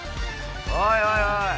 おいおいおい。